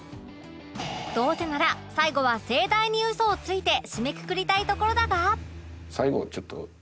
どうせなら最後は盛大にウソをついて締めくくりたいところだが